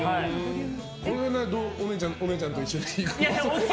これはお姉ちゃんと一緒に行ったの？